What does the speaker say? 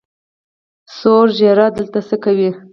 سور ږیریه دلته څۀ کوې؟